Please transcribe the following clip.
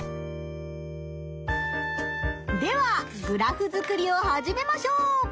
ではグラフ作りを始めましょう！